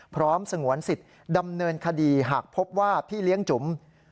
สงวนสิทธิ์ดำเนินคดีหากพบว่าพี่เลี้ยงจุ๋ม